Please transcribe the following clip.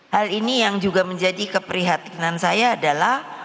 hal ini yang juga menjadi keprihatinan saya adalah